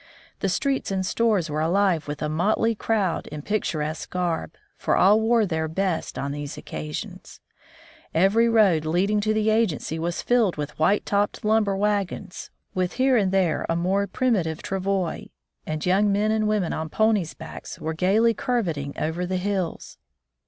The streets and stores were alive with a motley crowd in picturesque garb, for all wore their best on these occasions. Every road leading to the agency was filled with white topped lumber wagons, with here and there a more primitive travois, and young men and women on ponies' backs were gaily curvetting over the hills.